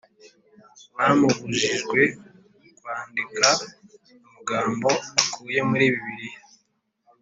bamubujijwe kwandika amagambo akuye muri bibiliya